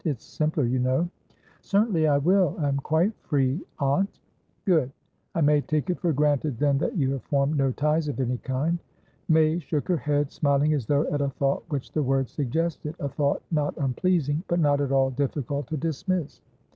It's simpler, you know." "Certainly I will. I am quite free, aunt." "Good. I may take it for granted, then, that you have formed no ties of any kind?" May shook her head, smiling as though at a thought which the words suggested, a thought not unpleasing, but not at all difficult to dismiss.